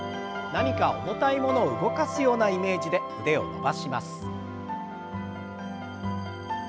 何か重たいものを動かすようなイメージで腕を伸ばします。